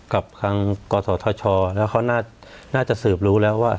กับทางกศธชแล้วเขาน่าจะสืบรู้แล้วว่า